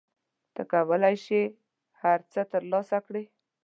ته کولای شې هر څه ترلاسه کړې.